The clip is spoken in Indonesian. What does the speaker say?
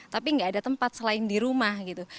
tapi nggak ada tempat selain di rumah gitu